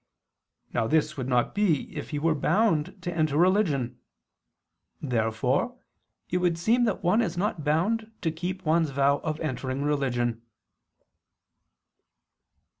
Now this would not be if he were bound to enter religion. Therefore it would seem that one is not bound to keep one's vow of entering religion.